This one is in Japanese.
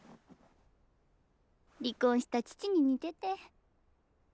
離婚した父に似てて。